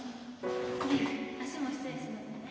足も失礼しますね。